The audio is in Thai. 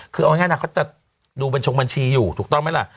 คือเอาง่ายนะเขาจะดูบัญชงบัญชีอยู่ถูกต้องไหมล่ะ